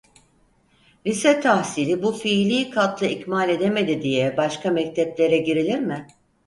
Lise tahsili bu fiili katlı ikmal edemedi diye başka mekteplere girilir mi?